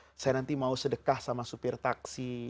misalnya saya nanti mau sedekah sama supir taksi